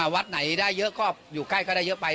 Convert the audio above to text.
วัดไหนได้เยอะก็อยู่ใกล้ก็ได้เยอะไป